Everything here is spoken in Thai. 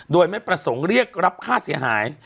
โดยไม่ประสงค์เรียกรับค่าเสียหาย